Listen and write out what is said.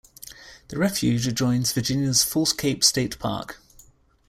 The refuge adjoins Virginia's False Cape State Park.